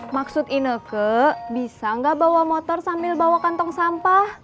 maksud inul ke bisa gak bawa motor sambil bawa kantong sampah